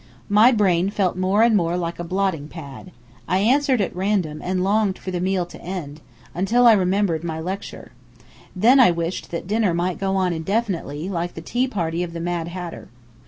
My brain felt more and more like a blotting pad. I answered at random and longed for the meal to end until I remembered my lecture. Then I wished that dinner might go on indefinitely like the tea party of the Mad Hatter.